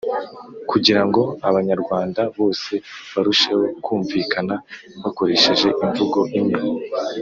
kugira ngo abanyarwanda bose barusheho kumvikana bakoresheje imvugo imwe.